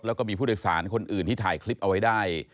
แล้วก็มีผู้โดยสารคนอื่นที่ถ่ายคลิปเอาไว้ได้